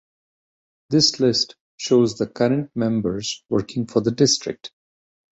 This list shows the current members working for the district.